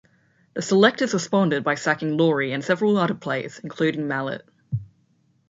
The selectors responded by sacking Lawry and several other players, including Mallett.